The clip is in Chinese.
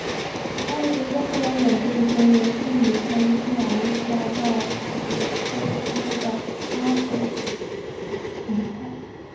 他的学说后来演变成为逊尼派伊斯兰四大教法学之一的沙斐仪派。